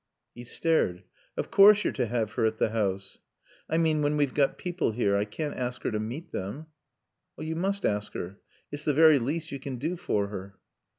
He stared. "Of course you're to have her at the house." "I mean when we've got people here. I can't ask her to meet them." "You must ask her. It's the very least you can do for her."